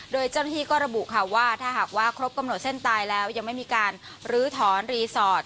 โดยเจ้าหน้าที่ก็ระบุค่ะว่าถ้าหากว่าครบกำหนดเส้นตายแล้วยังไม่มีการลื้อถอนรีสอร์ท